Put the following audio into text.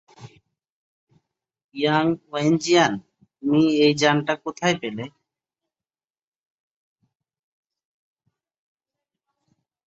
Young Wenjian, তুমি এই যানটা কোথায় পেলে?